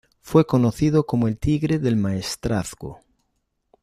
Fue conocido como "El Tigre del Maestrazgo".